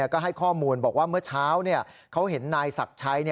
ก็ให้ข้อมูลบอกว่าเมื่อเช้าเขาเห็นนายศักดิ์ชัย